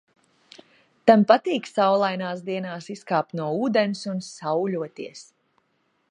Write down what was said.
"Tam patīk saulainās dienās izkāpt no ūdens un "sauļoties"."